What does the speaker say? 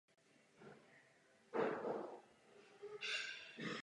Poprvé se spolu setkali při natáčení seriálu Ordinace v růžové zahradě.